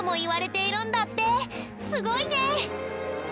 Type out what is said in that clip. すごいね！